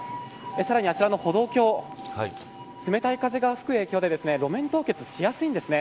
さらに、あちらの歩道橋冷たい風が吹く影響で路面凍結しやすいです。